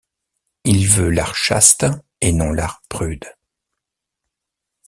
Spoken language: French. Il veut l’art chaste, et non l’art prude.